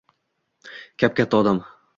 Kap-katta odam